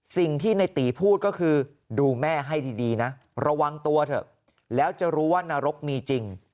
สิ่งที่ในตีพูดก็คือดูแม่ให้ดีนะระวังตัวเถอะแล้วจะรู้ว่านรกมีจริง